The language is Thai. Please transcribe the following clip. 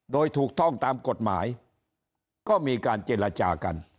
โดยถูกต้องตามกฎหมายก็มีการเจรจากัน